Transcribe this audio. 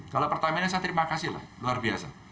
kalau pertamina saya terima kasih lah luar biasa